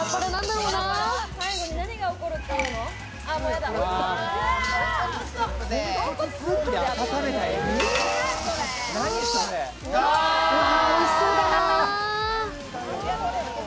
うわ、おいしそうだなぁ。